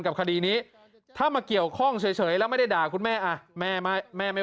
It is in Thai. คดีนี้ถ้ามาเกี่ยวข้องเฉยแล้วไม่ได้ด่าคุณแม่อ่ะแม่แม่ไม่